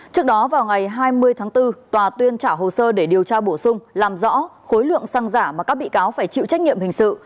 trước đó vào ngày hai mươi tháng bốn tòa tuyên trả hồ sơ để điều tra bổ sung làm rõ khối lượng xăng giả mà các bị cáo phải chịu trách nhiệm hình sự